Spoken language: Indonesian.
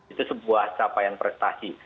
itu sebuah capaian prestasi